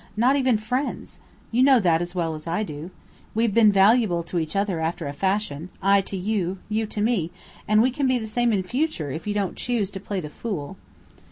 "Not even friends. You know that as well as I do. We've been valuable to each other after a fashion, I to you, you to me, and we can be the same in future if you don't choose to play the fool."